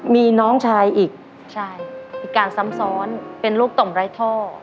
มีน้องชายอีกพิการซ้ำซ้อนเป็นโรคต่อมไร้ท่อ